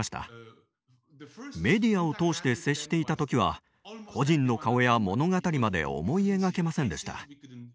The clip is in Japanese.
メディアを通して接していた時は個人の顔や物語まで思い描けませんでした。